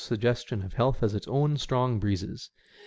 209 suggestion of health as its own strong hreezes.